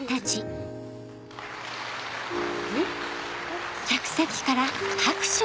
えっ？